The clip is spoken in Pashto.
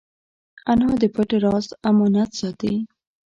انا د پټ راز امانت ساتي